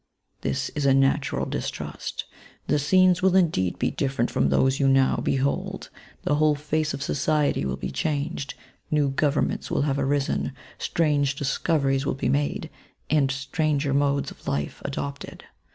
This is a natural distrust : the scenes will indeed be different from those you now behold ; the whole face of society will be changed : new governments will have arisen ; strange discoveries will be made, and stranger modes of life adopted.